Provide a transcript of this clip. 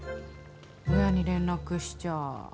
親に連絡しちゃ。